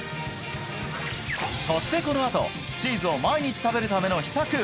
そしてこのあとチーズを毎日食べるための秘策